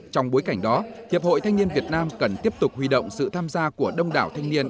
trong bối cảnh đó hiệp hội thanh niên việt nam cần tiếp tục huy động sự tham gia của đông đảo thanh niên